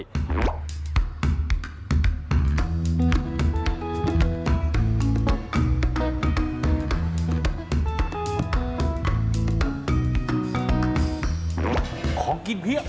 คุณผู้ชมนี่คือความสนานของที่นี่นะครับ